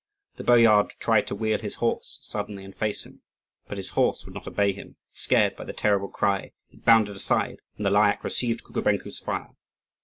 The boyard tried to wheel his horse suddenly and face him, but his horse would not obey him; scared by the terrible cry, it bounded aside, and the Lyakh received Kukubenko's fire.